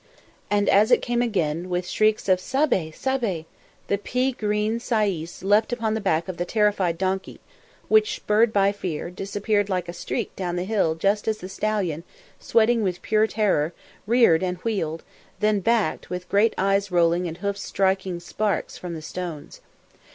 And as it came again, with shrieks of "Sabé! sabé!" the pea green sayis leapt on the back of the terrified donkey, which, spurred by fear, disappeared like a streak down the hill just as the stallion, sweating with pure terror, reared and wheeled, then backed, with great eyes rolling and hoofs striking sparks from the stones.